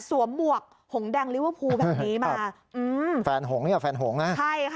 หมวกหงแดงลิเวอร์พูลแบบนี้มาอืมแฟนหงเนี่ยแฟนหงนะใช่ค่ะ